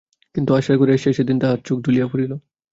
কিন্তু আশার ঘরে আসিয়া সেদিন তাহার চোখ ঢুলিয়া পড়িল।